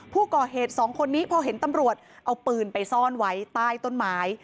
ผู้ก่อเหตุสองคนนี้พอเห็นตำรวจเอาปืนไปซ่อนไว้ใต้ต้นไม้